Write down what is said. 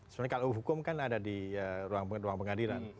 sebenarnya kalau hukum kan ada di ruang pengadilan